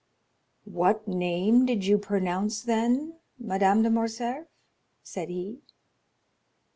"What name did you pronounce then, Madame de Morcerf?" said he.